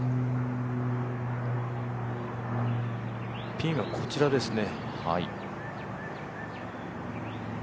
ピンはこちらですね。